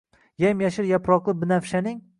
Yam-yashil yaproqli binafshaning